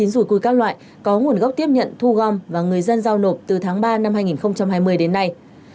bốn mươi chín rủi cui các loại có nguồn gốc tiếp nhận thu gom và người dân dao nộp từ tháng ba năm hai nghìn hai mươi đến nay